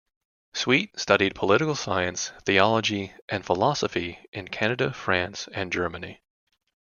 Sweet studied political science, theology, and philosophy in Canada, France, and Germany.